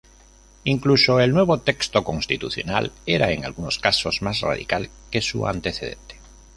Incluso, el nuevo texto constitucional era en algunos casos más radical que su antecedente.